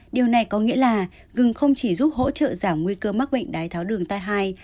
điều này có nghĩa là ngừng không chỉ giúp hỗ trợ giảm nguy cơ mắc bệnh đái tháo đường tai hai